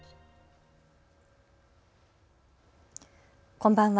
こんばんは。